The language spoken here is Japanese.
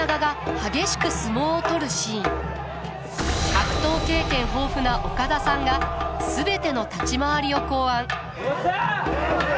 格闘経験豊富な岡田さんが全ての立ち回りを考案。